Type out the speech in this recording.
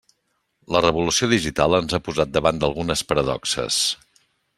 La revolució digital ens ha posat davant d'algunes paradoxes.